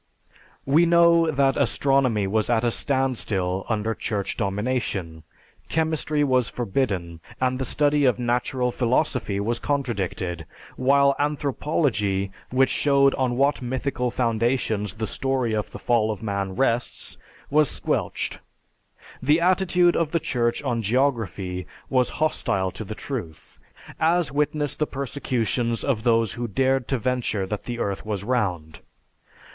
We know that astronomy was at a standstill under Church domination, chemistry was forbidden, and the study of natural philosophy was contradicted; while anthropology, which showed on what mythical foundations the story of the fall of man rests, was squelched. The attitude of the Church on geography was hostile to the truth, as witness the persecutions of those who dared to venture that the earth was round.